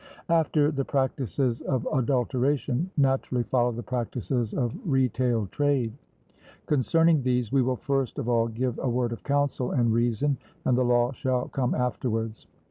After the practices of adulteration naturally follow the practices of retail trade. Concerning these, we will first of all give a word of counsel and reason, and the law shall come afterwards.